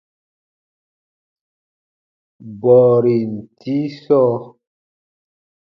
Bɔɔrin tii sɔɔ.